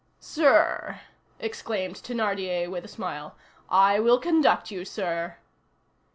"Sir!" exclaimed Thénardier, with a smile, "I will conduct you, sir."